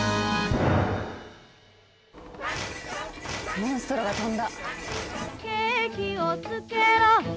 モンストロが飛んだ。